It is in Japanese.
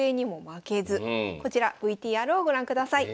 こちらＶＴＲをご覧ください。